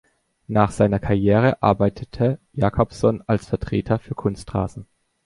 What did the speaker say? Nach seiner Karriere arbeitete Jakobsson als Vertreter für Kunstrasen.